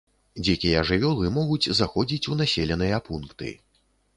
Дзікія жывёлы могуць заходзіць у населеныя пункты.